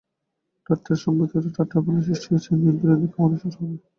ঠাট্টার সম্পর্কীয়দের ঠাট্টার পালা শেষ হয়েছে– নিমন্ত্রিতদের খাওয়ানো শুরু হবে।